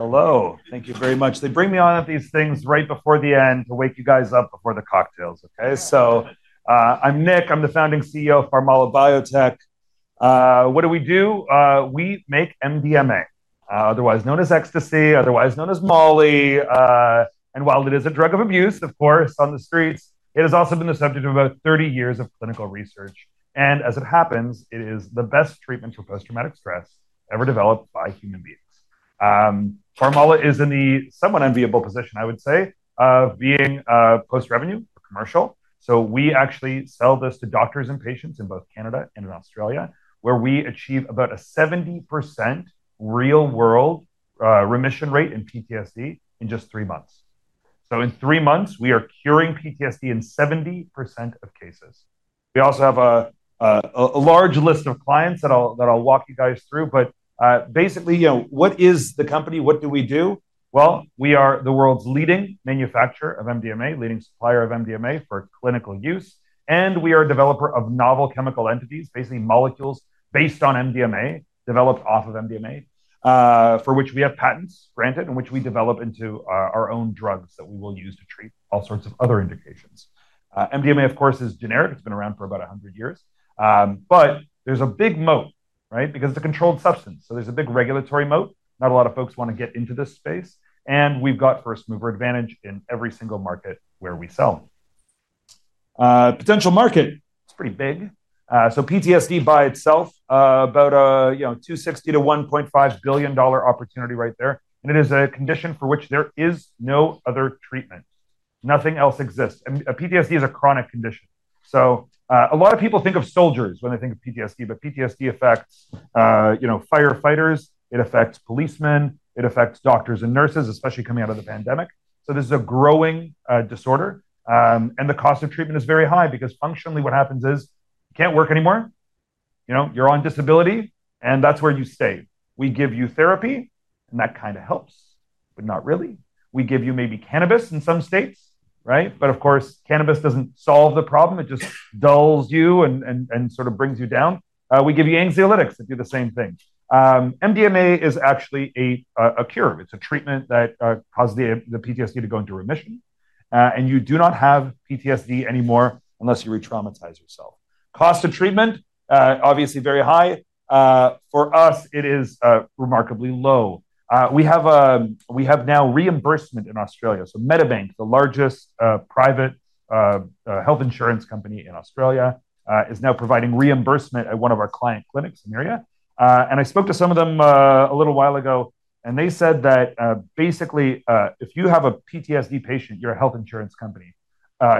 Hello, thank you very much. They bring me on at these things right before the end to wake you guys up before the cocktails, okay? So, I'm Nick. I'm the Founding CEO of PharmAla Biotech. What do we do? We make MDMA, otherwise known as ecstasy, otherwise known as molly, and while it is a drug of abuse, of course, on the streets, it has also been the subject of about 30 years of clinical research. As it happens, it is the best treatment for post-traumatic stress ever developed by human beings. PharmAla is in the somewhat enviable position, I would say, of being post-revenue or commercial. We actually sell this to doctors and patients in both Canada and in Australia, where we achieve about a 70% real-world remission rate in PTSD in just three months. In three months, we are curing PTSD in 70% of cases. We also have a large list of clients that I'll walk you guys through. Basically, you know, what is the company? What do we do? We are the world's leading manufacturer of MDMA, leading supplier of MDMA for clinical use, and we are a developer of novel chemical entities, basically molecules based on MDMA, developed off of MDMA, for which we have patents granted and which we develop into our own drugs that we will use to treat all sorts of other indications. MDMA, of course, is generic. It's been around for about 100 years, but there's a big moat, right? Because it's a controlled substance. There's a big regulatory moat. Not a lot of folks want to get into this space. We've got first-mover advantage in every single market where we sell. Potential market is pretty big. PTSD by itself, about a, you know, 260 million-1.5 billion dollar opportunity right there. It is a condition for which there is no other treatment. Nothing else exists. PTSD is a chronic condition. A lot of people think of soldiers when they think of PTSD, but PTSD affects, you know, firefighters, it affects policemen, it affects doctors and nurses, especially coming out of the pandemic. This is a growing disorder, and the cost of treatment is very high because functionally what happens is you can't work anymore. You're on disability and that's where you stay. We give you therapy and that kind of helps, but not really. We give you maybe cannabis in some states, right? Of course, cannabis doesn't solve the problem. It just dulls you and sort of brings you down. We give you anxiolytics that do the same thing. MDMA is actually a cure. It's a treatment that caused the PTSD to go into remission. You do not have PTSD anymore unless you retraumatize yourself. Cost of treatment, obviously very high. For us, it is remarkably low. We have now reimbursement in Australia. Medibank, the largest private health insurance company in Australia, is now providing reimbursement at one of our client clinics in the area. I spoke to some of them a little while ago. They said that, basically, if you have a PTSD patient, you're a health insurance company,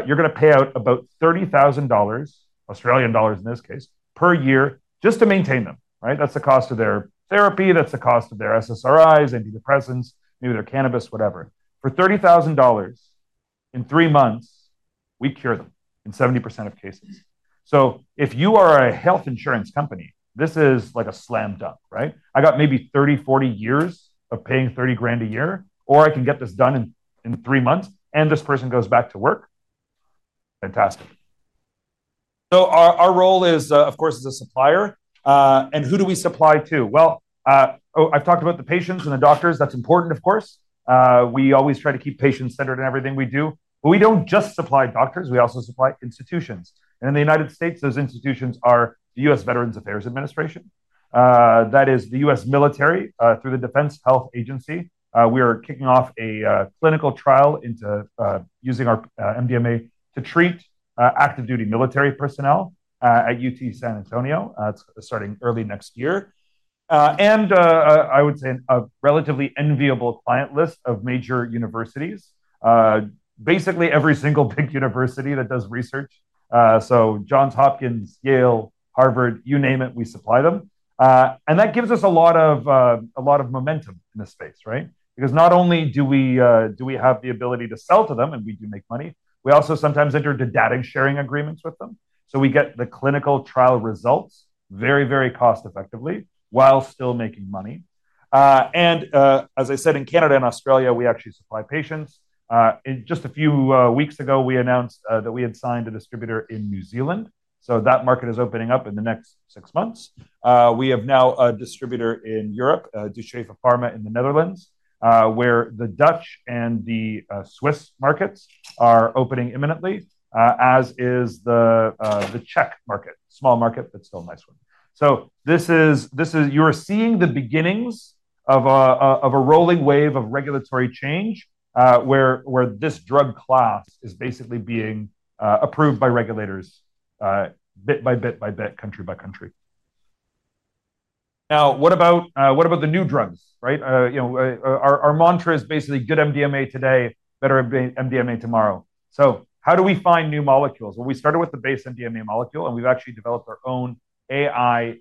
you're going to pay out about 30,000 Australian dollars per year just to maintain them, right? That's the cost of their therapy. That's the cost of their SSRIs, antidepressants, maybe their cannabis, whatever. For 30,000 dollars in three months, we cure them in 70% of cases. If you are a health insurance company, this is like a slam dunk, right? I got maybe 30, 40 years of paying 30,000 a year, or I can get this done in three months and this person goes back to work. Fantastic. Our role is, of course, as a supplier. Who do we supply to? I've talked about the patients and the doctors. That's important, of course. We always try to keep patients centered in everything we do. We don't just supply doctors. We also supply institutions. In the United States, those institutions are the U.S. Department of Veterans Affairs. That is the U.S. Military, through the Defense Health Agency. We are kicking off a clinical trial into using our MDMA to treat active duty military personnel at the University of Texas at San Antonio. It's starting early next year. I would say a relatively enviable client list of major universities, basically every single big university that does research. Johns Hopkins University, Yale University, Harvard University, you name it, we supply them. That gives us a lot of momentum in this space, right? Because not only do we have the ability to sell to them and we do make money, we also sometimes enter the data sharing agreements with them. We get the clinical trial results very, very cost-effectively while still making money. As I said, in Canada and Australia, we actually supply patients. Just a few weeks ago, we announced that we had signed a distributor in New Zealand. That market is opening up in the next six months. We have now a distributor in Europe, Duchesse Pharma in the Netherlands, where the Dutch and the Swiss markets are opening imminently, as is the Czech market, small market, but still a nice one. This is, you are seeing the beginnings of a rolling wave of regulatory change, where this drug class is basically being approved by regulators, bit by bit by bit, country by country. Now, what about the new drugs, right? You know, our mantra is basically good MDMA today, better MDMA tomorrow. How do we find new molecules? We started with the base MDMA molecule and we've actually developed our own AI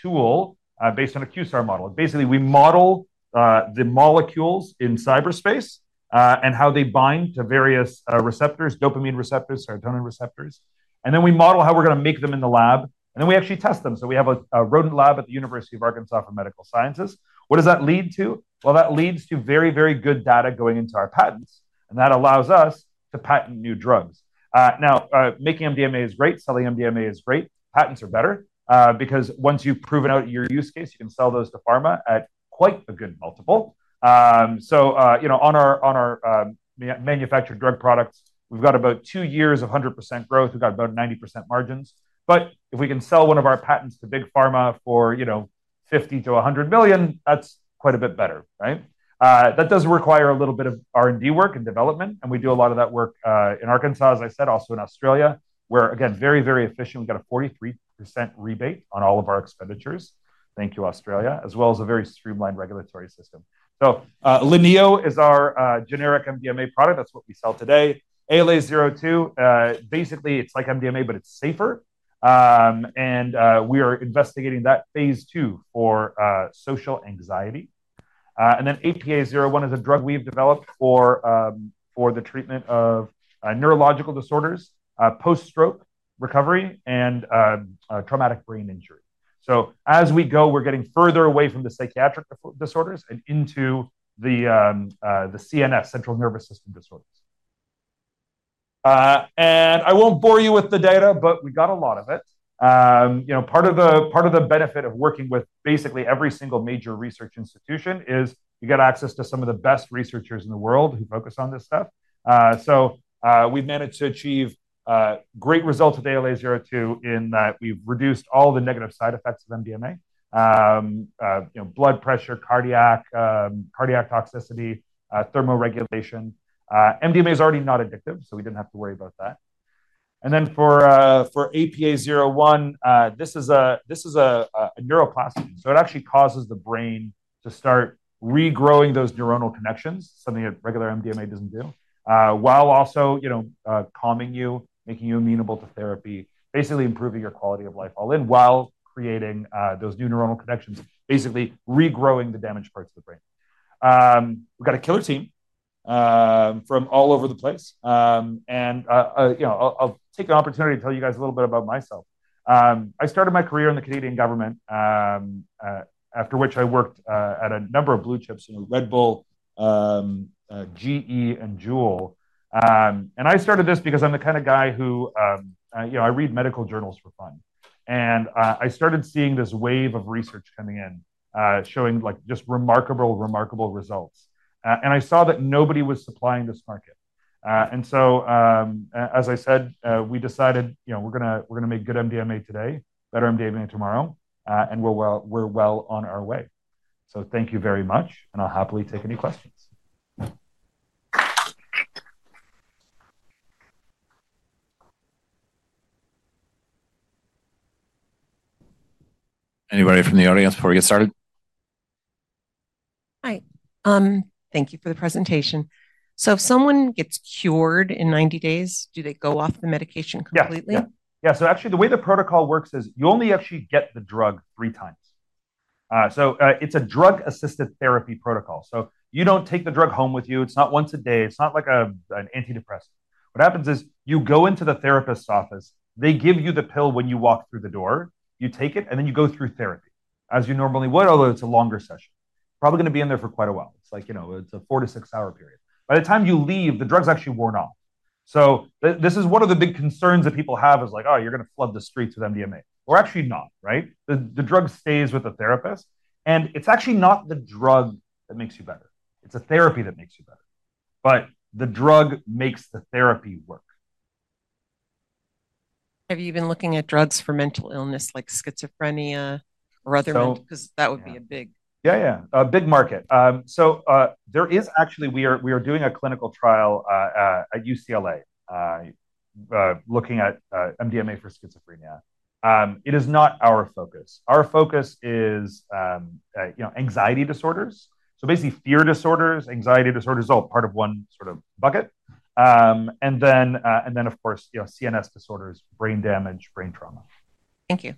tool, based on a QSAR model. Basically, we model the molecules in cyberspace, and how they bind to various receptors, dopamine receptors, serotonin receptors. Then we model how we're going to make them in the lab. Then we actually test them. We have a rodent lab at the University of Arkansas for Medical Sciences. What does that lead to? That leads to very, very good data going into our patents. That allows us to patent new drugs. Now, making MDMA is great. Selling MDMA is great. Patents are better, because once you've proven out your use case, you can sell those to pharma at quite a good multiple. On our manufactured drug products, we've got about two years of 100% growth. We've got about 90% margins. If we can sell one of our patents to big pharma for 50 million-100 million, that's quite a bit better, right? That does require a little bit of R&D work and development. We do a lot of that work in Arkansas, as I said, also in Australia. We're again, very, very efficient. We've got a 43% rebate on all of our expenditures. Thank you, Australia, as well as a very streamlined regulatory system. LaNeo MDMA is our generic MDMA product. That's what we sell today. ALA-002, basically it's like MDMA, but it's safer. We are investigating that phase two for social anxiety. APA-01 is a drug we've developed for the treatment of neurological disorders, post-stroke recovery, and traumatic brain injury. As we go, we're getting further away from the psychiatric disorders and into the CNS, central nervous system disorders. I won't bore you with the data, but we got a lot of it. You know, part of the benefit of working with basically every single major research institution is you get access to some of the best researchers in the world who focus on this stuff. We've managed to achieve great results with ALA-002 in that we've reduced all the negative side effects of MDMA. You know, blood pressure, cardiac toxicity, thermoregulation. MDMA is already not addictive, so we didn't have to worry about that. For APA-01, this is a neuroplastic agent. It actually causes the brain to start regrowing those neuronal connections, something that regular MDMA doesn't do, while also calming you, making you amenable to therapy, basically improving your quality of life all in, while creating those new neuronal connections, basically regrowing the damaged parts of the brain. We've got a killer team from all over the place. I'll take an opportunity to tell you guys a little bit about myself. I started my career in the Canadian government, after which I worked at a number of blue chips, you know, Red Bull, GE, and JUUL. I started this because I'm the kind of guy who, you know, I read medical journals for fun. I started seeing this wave of research coming in, showing just remarkable, remarkable results. I saw that nobody was supplying this market. As I said, we decided we're going to make good MDMA today, better MDMA tomorrow, and we're well on our way. Thank you very much. I'll happily take any questions. Anybody from the audience before we get started? Hi, thank you for the presentation. If someone gets cured in 90 days, do they go off the medication completely? Yeah. Yeah. Actually, the way the protocol works is you only actually get the drug three times. It's a drug-assisted therapy protocol. You don't take the drug home with you. It's not once a day. It's not like an antidepressant. What happens is you go into the therapist's office, they give you the pill when you walk through the door, you take it, and then you go through therapy as you normally would, although it's a longer session. Probably going to be in there for quite a while. It's like, you know, it's a four to six-hour period. By the time you leave, the drug's actually worn off. This is one of the big concerns that people have, like, oh, you're going to flood the streets with MDMA. We're actually not, right? The drug stays with the therapist. It's actually not the drug that makes you better. It's the therapy that makes you better, but the drug makes the therapy work. Have you been looking at drugs for mental illness like schizophrenia or other mental, because that would be a big... Yeah, a big market. There is actually, we are doing a clinical trial at UCLA, looking at MDMA for schizophrenia. It is not our focus. Our focus is, you know, anxiety disorders. Basically fear disorders, anxiety disorders, all part of one sort of bucket. Then of course, you know, CNS disorders, brain damage, brain trauma. Thank you.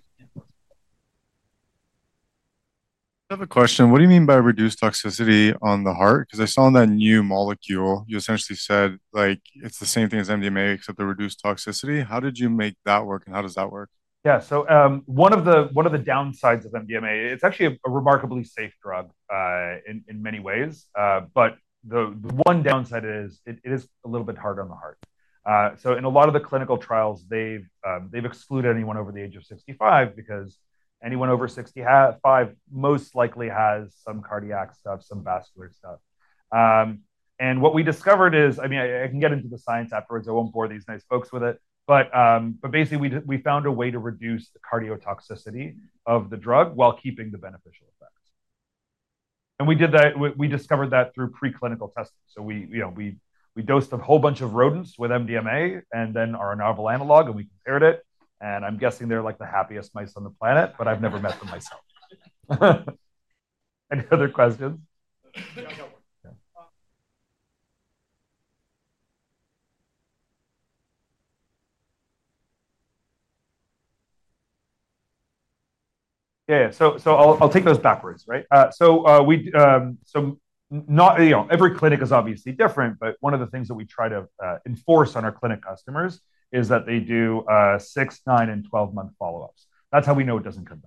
I have a question. What do you mean by reduced toxicity on the heart? Because I saw that new molecule, you essentially said like it's the same thing as MDMA, except the reduced toxicity. How did you make that work? How does that work? Yeah. One of the downsides of MDMA, it's actually a remarkably safe drug in many ways, but the one downside is it is a little bit hard on the heart. In a lot of the clinical trials, they've excluded anyone over the age of 65 because anyone over 65 most likely has some cardiac stuff, some vascular stuff. What we discovered is, I mean, I can get into the science afterwards. I won't bore these nice folks with it. Basically, we found a way to reduce the cardiotoxicity of the drug while keeping the beneficial effects. We did that, we discovered that through preclinical testing. We dosed a whole bunch of rodents with MDMA and then our novel analog and we compared it. I'm guessing they're like the happiest mice on the planet, but I've never met them myself. Any other questions? Yeah, yeah, yeah. I'll take those backwards, right? Not every clinic is obviously different, but one of the things that we try to enforce on our clinic customers is that they do 6, 9, and 12-month follow-ups. That's how we know it doesn't come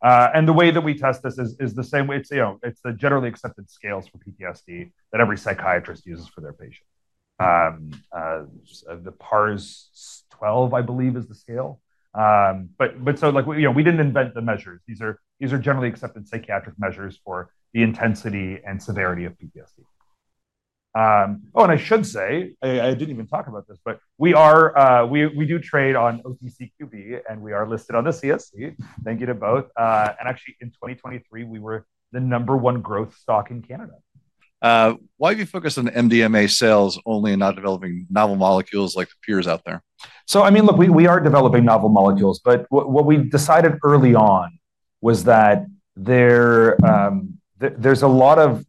back. The way that we test this is the same, it's the generally accepted scales for PTSD that every psychiatrist uses for their patient. The PARS 12, I believe, is the scale. We didn't invent the measures. These are generally accepted psychiatric measures for the intensity and severity of PTSD. Oh, and I should say, I didn't even talk about this, but we do trade on OTCQB and we are listed on the Canadian Securities Exchange. Thank you to both. Actually, in 2023, we were the number one growth stock in Canada. Why have you focused on MDMA sales only and not developing novel molecules like the peers out there? I mean, look, we are developing novel molecules, but what we decided early on was that there's a lot of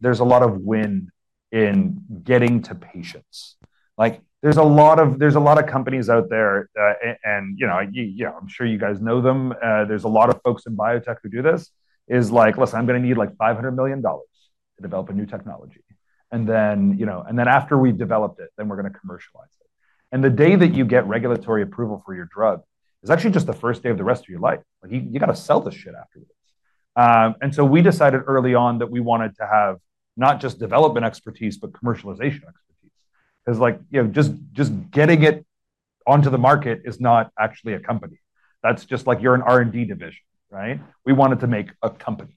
win in getting to patients. Like, there's a lot of companies out there, and, you know, I'm sure you guys know them. There's a lot of folks in biotech who do this, like, listen, I'm going to need 500 million dollars to develop a new technology. And then, you know, after we've developed it, then we're going to commercialize it. The day that you get regulatory approval for your drug is actually just the first day of the rest of your life. You got to sell this shit afterwards. We decided early on that we wanted to have not just development expertise, but commercialization expertise. Because, like, just getting it onto the market is not actually a company. That's just like you're an R&D division, right? We wanted to make a company.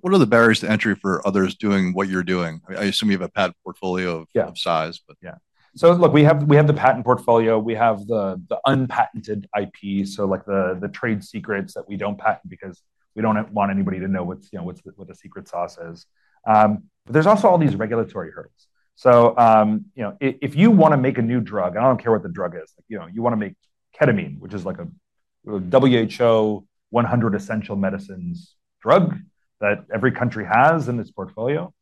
What are the barriers to entry for others doing what you're doing? I assume you have a patent portfolio of size, but. Yeah. Look, we have the patent portfolio. We have the unpatented IP, the trade secrets that we don't patent because we don't want anybody to know what the secret sauce is. There are also all these regulatory hurdles. If you want to make a new drug, and I don't care what the drug is, you want to make ketamine, which is a WHO 100 essential medicines drug that every country has in its portfolio,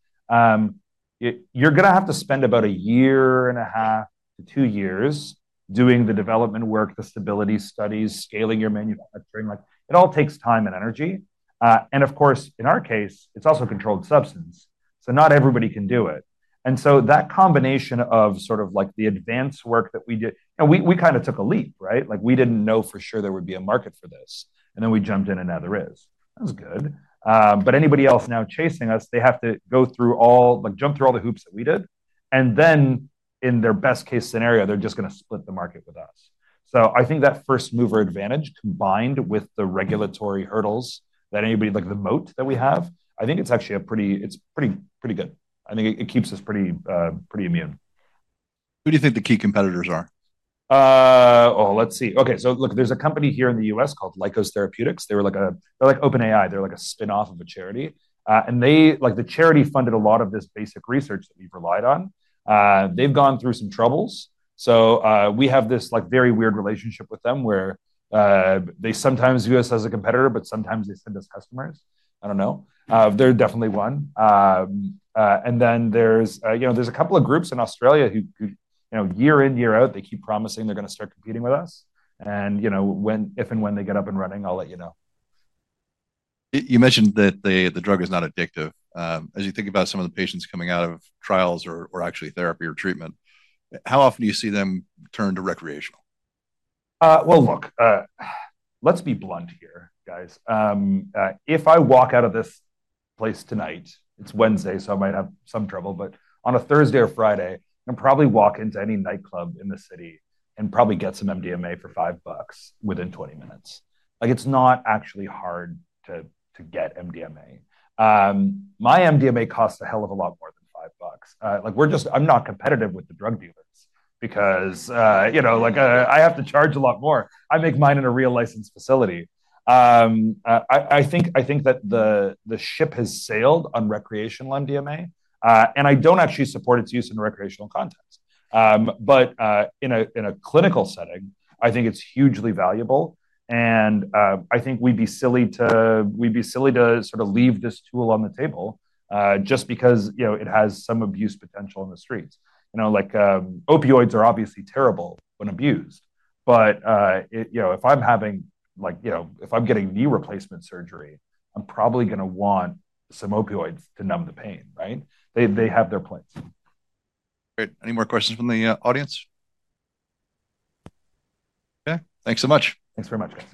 you're going to have to spend about a year and a half to two years doing the development work, the stability studies, scaling your manufacturing. It all takes time and energy. In our case, it's also a controlled substance, so not everybody can do it. That combination of the advanced work that we do, we kind of took a leap, right? We didn't know for sure there would be a market for this, and then we jumped in and now there is. That was good. Anybody else now chasing us, they have to go through all, jump through all the hoops that we did. In their best case scenario, they're just going to split the market with us. I think that first-mover advantage combined with the regulatory hurdles, the moat that we have, I think it's actually pretty good. I think it keeps us pretty immune. Who do you think the key competitors are? Okay. So look, there's a company here in the U.S. called Lykos Therapeutics. They're like OpenAI. They're like a spin-off of a charity, and the charity funded a lot of this basic research that we've relied on. They've gone through some troubles. We have this very weird relationship with them where they sometimes view us as a competitor, but sometimes they send us customers. I don't know. They're definitely one. There's a couple of groups in Australia who, year in, year out, keep promising they're going to start competing with us. If and when they get up and running, I'll let you know. You mentioned that the drug is not addictive. As you think about some of the patients coming out of trials or actually therapy or treatment, how often do you see them turn to recreational? Look, let's be blunt here, guys. If I walk out of this place tonight, it's Wednesday, so I might have some trouble, but on a Thursday or Friday, I'm going to probably walk into any nightclub in the city and probably get some MDMA for 5 bucks within 20 minutes. It's not actually hard to get MDMA. My MDMA costs a hell of a lot more than 5 bucks. I'm not competitive with the drug dealers because I have to charge a lot more. I make mine in a real licensed facility. I think the ship has sailed on recreational MDMA. I don't actually support its use in a recreational context. In a clinical setting, I think it's hugely valuable. I think we'd be silly to sort of leave this tool on the table just because it has some abuse potential in the streets. Opioids are obviously terrible when abused, but if I'm having, like, if I'm getting knee replacement surgery, I'm probably going to want some opioids to numb the pain, right? They have their place. Great. Any more questions from the audience? Okay, thanks so much. Thanks very much, guys.